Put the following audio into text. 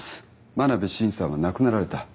真鍋伸さんは亡くなられた。